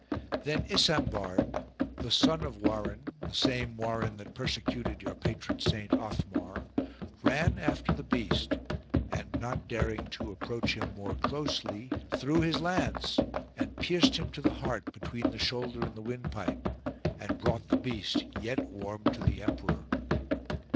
"' Then Isambard, the son of Warin (the same Warin that persecuted your patron Saint Othmar), ran after the beast and not daring to approach him more closely, threw his lance and pierced him to the heart between the shoulder and the wind pipe, and brought the beast yet warm to the emperor.